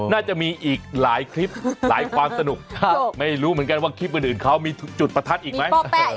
น่าจะมีอีกหลายคลิปหลายความสนุกไม่รู้เหมือนกันว่าคลิปอื่นเขามีจุดประทัดอีกไหม